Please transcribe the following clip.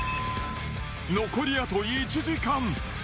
残りあと１時間。